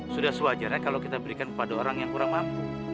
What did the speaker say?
sudah sewajarnya kalau kita berikan kepada orang yang kurang mampu